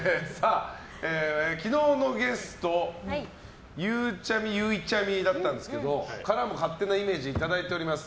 昨日のゲストゆうちゃみ、ゆいちゃみからも勝手なイメージいただいています。